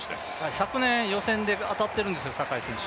昨年予選で当たっているんですよ、坂井選手。